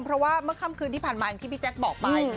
เพราะว่าเมื่อค่ำคืนที่ผ่านมาอย่างที่พี่แจ๊คบอกไป